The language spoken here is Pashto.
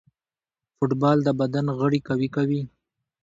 فوټبال د بدن غړي قوي کوي.